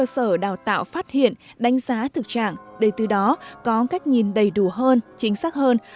sở đào tạo phát hiện đánh giá thực trạng để từ đó có cách nhìn đầy đủ hơn chính xác hơn